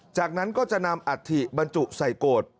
จากนั้นก็จะนำอัฐิบรรจุใส่โกรธ